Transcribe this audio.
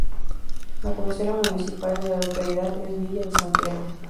La cabecera municipal de la localidad es Villa de Santiago.